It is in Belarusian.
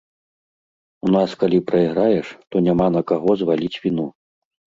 У нас калі прайграеш, то няма на каго зваліць віну.